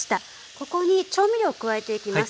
ここに調味料を加えていきます。